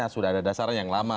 sudah ada dasar yang lama